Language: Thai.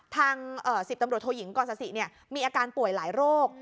ทางเอ่อสิบตำรวจโทยิงก่อนศาสิเนี่ยมีอาการป่วยหลายโรค